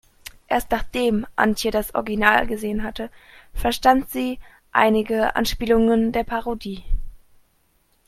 Erst nachdem Antje das Original gesehen hatte, verstand sie einige Anspielungen der Parodie.